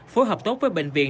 phối hợp tốt với bệnh viện